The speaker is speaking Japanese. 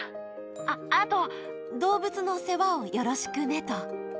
あっ、あと動物の世話をよろしくねと。